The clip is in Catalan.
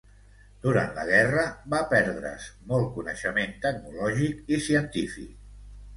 Durant la guerra va perdre's molt coneixement tecnològic i científic.